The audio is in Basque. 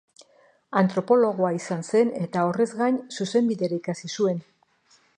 Antropologoa izan zen eta horrez gain zuzenbide ere ikasi zuen.